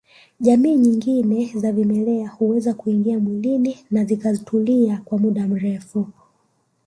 Jamii nyingine za vimelea huweza kuingia mwili na zikatulia kwa muda mrefu